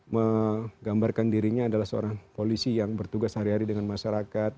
menggambarkan dirinya adalah seorang polisi yang bertugas hari hari dengan masyarakat